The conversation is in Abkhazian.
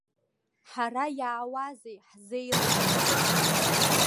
Ҳара иаауазеи, ҳзеилымго?!